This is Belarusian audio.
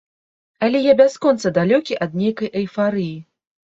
Але я бясконца далёкі ад нейкай эйфарыі.